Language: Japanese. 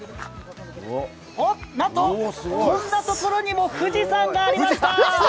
なんと、こんなところにも富士山がありました。